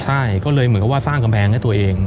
ใช่ก็เลยเหมือนกับว่าสร้างกำแพงให้ตัวเอง